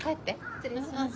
失礼します。